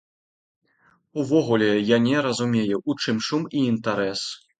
Увогуле я не разумею, у чым шум і інтарэс.